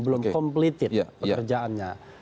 belum completed pekerjaannya